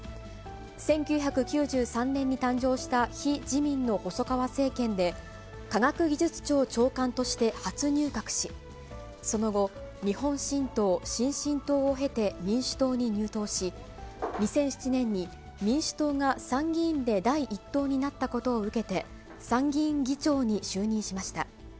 １９９３年に誕生した非自民の細川政権で、科学技術庁長官として初入閣し、その後、日本新党、新進党を経て、民主党に入党し、２００７年に民主党が参議院で第１党になったことを受けて、参議院議長に就任しました。